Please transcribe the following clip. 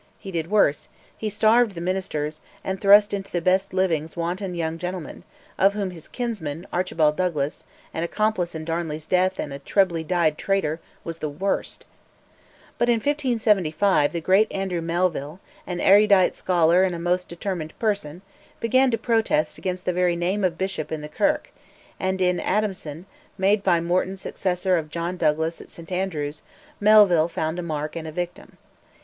He did worse: he starved the ministers, and thrust into the best livings wanton young gentlemen, of whom his kinsman, Archibald Douglas, an accomplice in Darnley's death and a trebly dyed traitor, was the worst. But in 1575, the great Andrew Melville, an erudite scholar and a most determined person, began to protest against the very name of bishop in the Kirk; and in Adamson, made by Morton successor of John Douglas at St Andrews, Melville found a mark and a victim.